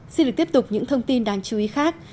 xin được tiếp tục những thông tin đáng chú ý khác